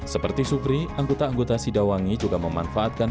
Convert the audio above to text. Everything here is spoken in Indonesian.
seperti supri anggota anggota sidawangi juga memanfaatkan